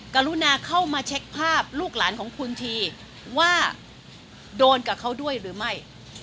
กรุณาเข้ามาเช็คภาพลูกหลานของคุณทีว่าโดนกับเขาด้วยหรือไม่